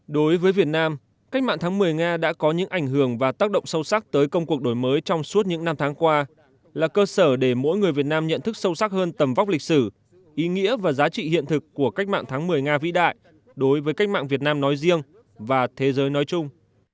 đối với việt nam cách mạng tháng một mươi nga đã có những ảnh hưởng và tác động sâu sắc tới công cuộc đổi mới trong suốt những năm tháng qua là cơ sở để mỗi người việt nam nhận thức sâu sắc hơn tầm vóc lịch sử ý nghĩa và giá trị hiện thực của cách mạng tháng một mươi nga vĩ đại đối với cách mạng việt nam nói riêng và thế giới nói chung